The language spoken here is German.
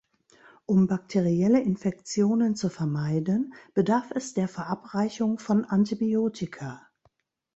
Um bakterielle Infektionen zu vermeiden, bedarf es der Verabreichung von Antibiotika.